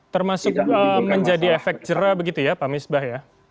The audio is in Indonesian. termasuk menjadi efek jerah begitu ya pak misbah ya